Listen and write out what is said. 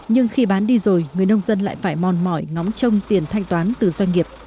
nhưng khi bán đi rồi người nông dân lại phải mòn mỏi ngóng trông tiền thanh toán từ doanh nghiệp